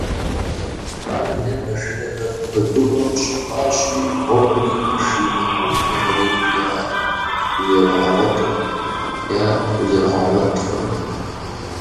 Къалэм машинэхэр куэдыӏуэ щыхъуащи, гъуэгури машинэ гъэувыпӏэхэри яхузэрыгъэгъуэткъым.